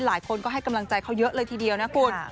หลายคนก็ให้กำลังใจเขาเยอะเลยทีเดียวนะคุณ